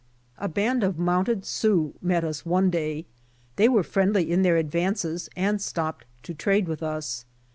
A band of mounted Sioux met us one day. They were friendly in their advances and stopped to trade with us.